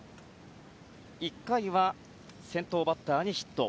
１回は先頭バッターにヒット。